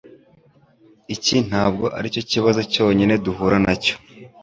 Iki ntabwo aricyo kibazo cyonyine duhura nacyo